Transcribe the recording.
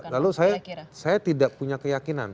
lalu saya tidak punya keyakinan